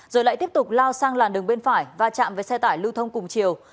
xe tiếp tục lao sang làn đường bên phải và chạm với xe tải lưu thông cùng chiều